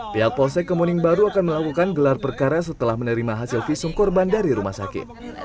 pihak polsek kemuning baru akan melakukan gelar perkara setelah menerima hasil visum korban dari rumah sakit